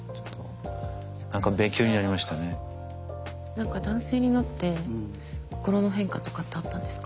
何か男性になって心の変化とかってあったんですか？